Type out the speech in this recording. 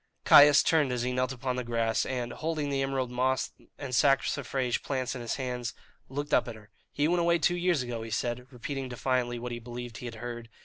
Caius turned as he knelt upon the grass, and, holding the emerald moss and saxifrage plants in his hand, looked up at her. "He went away two years ago," he said, repeating defiantly what he believed he had heard.